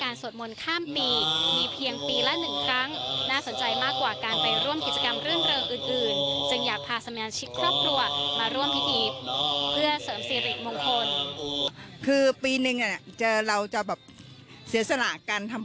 เนื่องจากชื่นชอบในอัตลักษณ์ของล้านนา